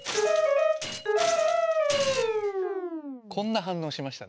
こんな反応しましたね。